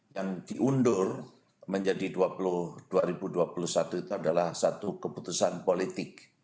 yang diundur menjadi dua ribu dua puluh satu itu adalah satu keputusan politik